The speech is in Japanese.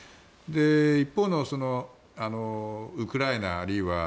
一方のウクライナあるいはＮＡＴＯ